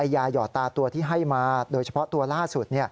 ยาหยอดตาตัวที่ให้มาโดยเฉพาะตัวล่าสุด